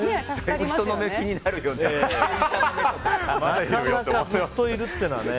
なかなかずっといるってのはね。